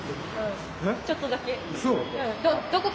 ちょっとだけ。